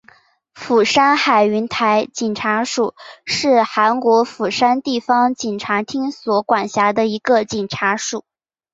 釜山海云台警察署是韩国釜山地方警察厅所管辖的一个警察署。